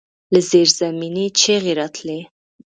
له زيرزمينې چيغې راتلې.